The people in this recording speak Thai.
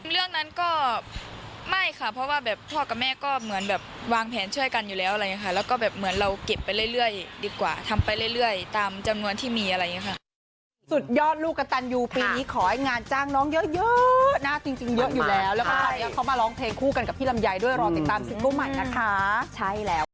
เรื่องนั้นก็ไม่ค่ะเพราะว่าพ่อกับแม่ก็เหมือนวางแผนช่วยกันอยู่แล้ว